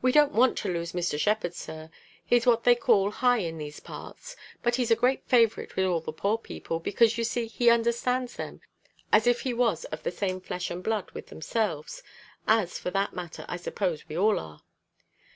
"We don't want to lose Mr. Shepherd, sir. He's what they call high in these parts, but he's a great favourite with all the poor people, because you see he understands them as if he was of the same flesh and blood with themselves as, for that matter, I suppose we all are."